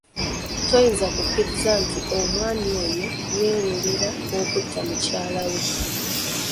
Toyinza kukiriza nti omwami oyo yeewera okutta mukyala we.